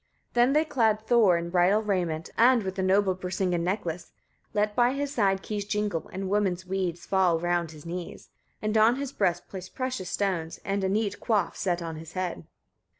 20. Then they clad Thor in bridal raiment, and with the noble Brisinga necklace, let by his side keys jingle, and woman's weeds fall round his knees; and on his breast placed precious stones, and a neat coif set on his head.